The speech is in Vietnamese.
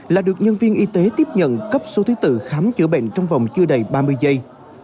là được nhân viên y tế tiếp nhận cấp số thứ tự khám chữa bệnh trong vòng chưa đầy ba mươi giây